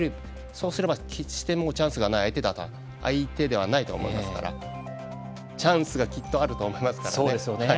そうすれば、チャンスのない相手ではないと思いますからチャンスがきっとあると思いますからね。